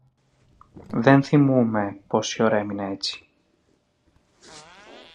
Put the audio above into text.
Δεν θυμούμαι πια πόση ώρα έμεινα έτσι